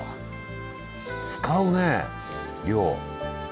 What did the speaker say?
使うね量。